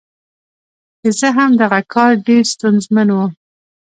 که څه هم دغه کار ډېر ستونزمن و.